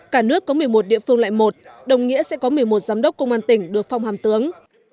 cả nước có một mươi một địa phương loại một đồng nghĩa sẽ có một mươi một giám đốc công an tỉnh được phong hàm tướng